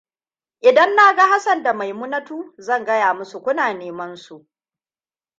Idan na ga Hassan da Maimunatu, zan gaya musu kuna nemansu.